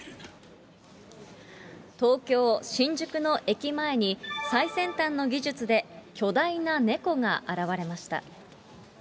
東京・新宿の駅前に、最先端の技術で巨大なネコが現れました。